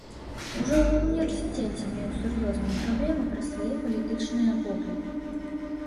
Ужо ва ўніверсітэце меў сур'ёзныя праблемы праз свае палітычныя погляды.